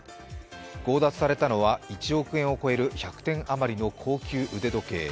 強奪されたのは１億円を超える１００点余りの高級腕時計。